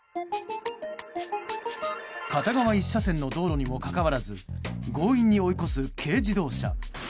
片側１車線の道路にもかかわらず強引に追い越す軽自動車。